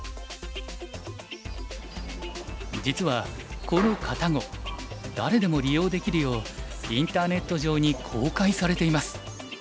実はこのＫａｔａＧｏ誰でも利用できるようインターネット上に公開されています。